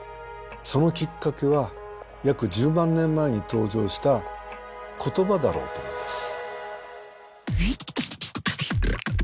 そのきっかけは約１０万年前に登場した言葉だろうと思います。